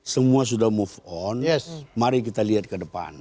semua sudah move on mari kita lihat ke depan